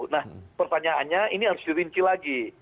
nah pertanyaannya ini harus dirinci lagi